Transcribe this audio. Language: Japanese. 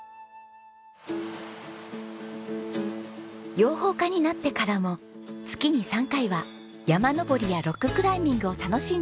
養蜂家になってからも月に３回は山登りやロッククライミングを楽しんでいる直美さん。